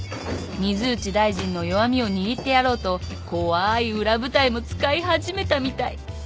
水内大臣の弱みを握ってやろうとこわい裏部隊も使い始めたみたい。